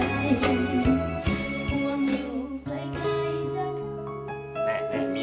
ห่วงอยู่ใกล้ใกล้จาก